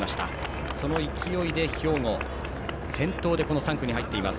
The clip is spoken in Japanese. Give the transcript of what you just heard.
その勢いで兵庫先頭で３区に入っています。